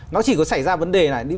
nó chỉ có xảy ra vấn đề này